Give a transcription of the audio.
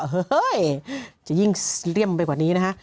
เฮ้ยจะยิ่งเลี่ยมไปกว่านี้นะฮะ